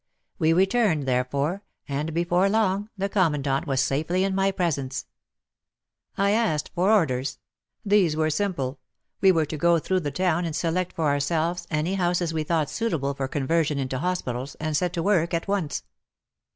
We returned, therefore, and before long the Commandant was safely in my presence. I asked for orders. These were simple. We were to go through the town and select for our selves any houses we thought suitable for con version into hospitals, and set to work at once.